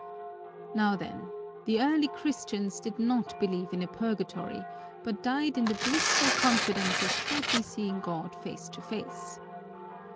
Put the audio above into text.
Now then, the early Christians did not believe in a purgatory but died in the blissful confidence of shortly seeing God face to face.